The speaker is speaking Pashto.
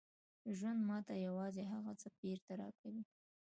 ژوند ماته یوازې هغه څه بېرته راکوي